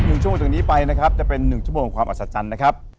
อยู่ช่วงจากนี้ไปนะครับจะเป็น๑ชั่วโมงความอัศจรรย์นะครับ